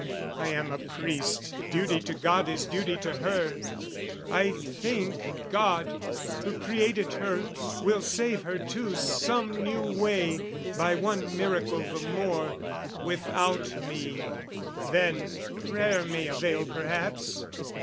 I am a priest "Duty to God is duty to her: I think "God, who created her, will save her too "Some new way, by one miracle the more, "Without me. Then, prayer may avail perhaps."